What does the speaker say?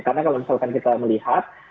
karena kalau misalkan kita melihat